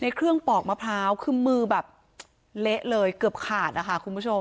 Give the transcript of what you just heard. เครื่องปอกมะพร้าวคือมือแบบเละเลยเกือบขาดนะคะคุณผู้ชม